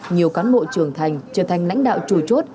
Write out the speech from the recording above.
nhiều cán bộ trưởng thành trở thành lãnh đạo chủ chốt